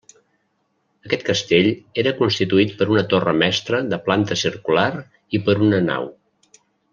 Aquest castell era constituït per una torre mestra de planta circular i per una nau.